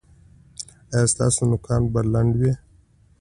ایا ستاسو نوکان به لنډ وي؟